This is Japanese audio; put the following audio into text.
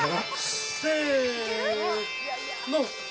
せの。